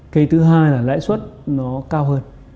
cái thứ hai là lãi suất nó cao hơn